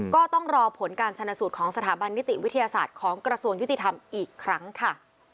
ก็ต้องรอผลการชนะสูตรของสถาบันนิติวิทยาศาสตร์ของกระทรวงยุติธรรมอีกครั้งค่ะ